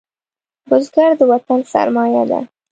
بزګر د وطن سرمايه ده